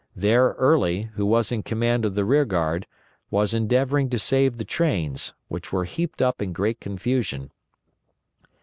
There Early, who was in command of the rear guard, was endeavoring to save the trains, which were heaped up in great confusion.